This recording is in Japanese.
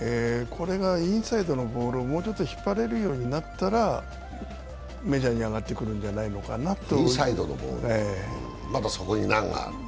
これがインサイドのボールをもうちょっと引っ張れるようになったらメジャーに上がってくるんではないのかなと。